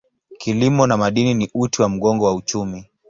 Kilimo na madini ni uti wa mgongo wa uchumi.